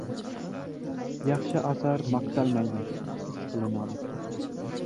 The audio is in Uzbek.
Yaxshi asar maqtalmaydi, his qilinadi.